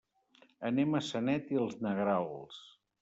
Anem a Sanet i els Negrals.